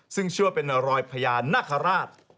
ซึ่งเชื่อว่าเป็นรอยพญานาคาราช